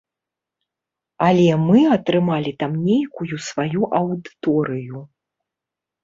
Але мы атрымалі там нейкую сваю аўдыторыю.